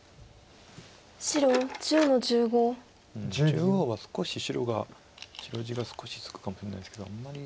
中央は少し白が白地が少しつくかもしれないですけどあんまり